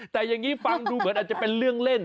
แต่อย่างนี้ฟังดูเหมือนอาจจะเป็นเรื่องเล่น